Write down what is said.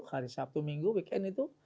hari sabtu minggu weekend itu